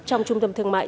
trong trung tâm thương mại